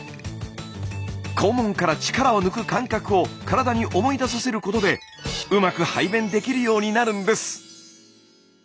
肛門から力を抜く感覚を体に思い出させることでうまく排便できるようになるんです。